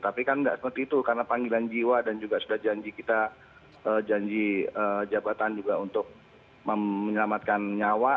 tapi kan nggak seperti itu karena panggilan jiwa dan juga sudah janji kita janji jabatan juga untuk menyelamatkan nyawa